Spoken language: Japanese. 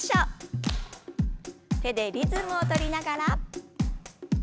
手でリズムを取りながら。